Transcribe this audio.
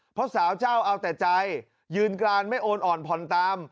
เพราะสาวเจ้าเอาแต่ใจยืนกรานไม่โอนอ่อนผ่อนตาม